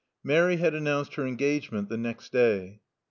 Mary had announced her engagement the next day.